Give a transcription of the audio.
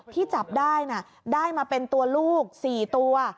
ที่จับได้นะได้มาเป็นตัวลูก๔ตัว